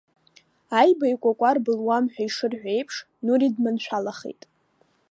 Аиба икәакәар былуам ҳәа ишырҳәо еиԥш, Нури дманшәалахеит.